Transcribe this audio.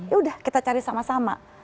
ya udah kita cari sama sama